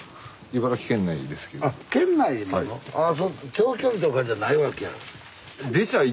長距離とかじゃないわけや。